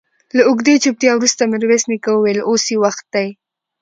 له اوږدې چوپتيا وروسته ميرويس نيکه وويل: اوس يې وخت دی.